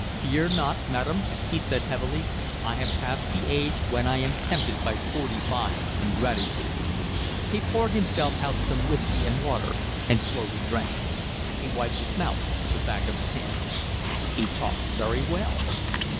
"Fear not, madam," he said heavily. "I have passed the age when I am tempted by forty five and gratitude." He poured himself out some whiskey and water, and slowly drank it. He wiped his mouth with the back of his hand. "He talked very well."